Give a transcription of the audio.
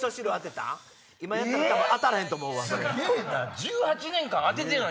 １８年間当ててない。